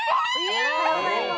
おはようございます。